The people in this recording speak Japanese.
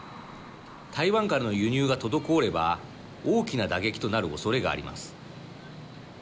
台湾からの輸入が滞れば大きな打撃となるおそれがあります。